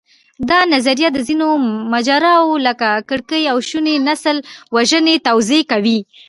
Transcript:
دا نظریه د ځینو ماجراوو، لکه کرکې او شونې نسلوژنې توضیح کوي.